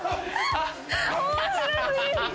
面白過ぎる！